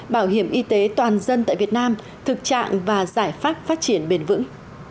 bảo hiểm y tế toàn dân tại việt nam thực trạng và giải pháp phát triển bền vững